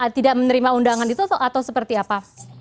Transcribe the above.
tidak menerima undangan itu atau seperti apa